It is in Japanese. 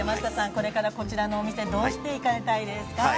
これからこちらのお店をどうされていきたいですか。